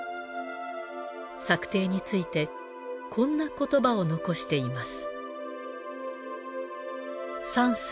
作庭についてこんな言葉を残しています。